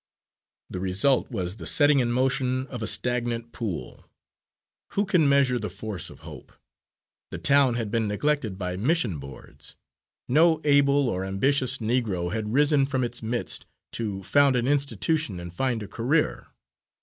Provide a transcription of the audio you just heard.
The result was the setting in motion of a stagnant pool. Who can measure the force of hope? The town had been neglected by mission boards. No able or ambitious Negro had risen from its midst to found an institution and find a career.